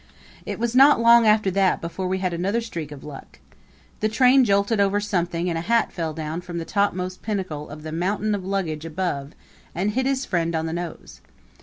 It was not long after that before we had another streak of luck. The train jolted over something and a hat fell down from the topmost pinnacle of the mountain of luggage above and hit his friend on the nose.